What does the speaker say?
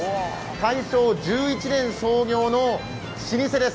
大正１１年創業の老舗です。